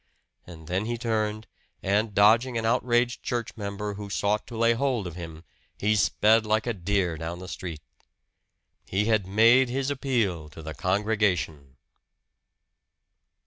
And then he turned, and dodging an outraged church member who sought to lay hold of him, he sped like a deer down the street. He had made his appeal to the congregation!